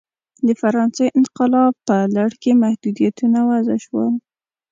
د فرانسې انقلاب په لړ کې محدودیتونه وضع شول.